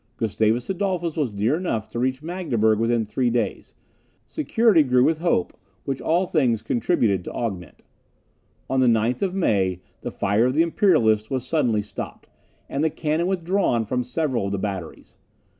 Gustavus Adolphus was near enough to reach Magdeburg within three days; security grew with hope, which all things contributed to augment. On the 9th of May, the fire of the Imperialists was suddenly stopped, and the cannon withdrawn from several of the batteries.